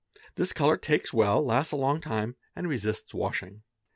This colour takes well, lasts a long time, and resists washing.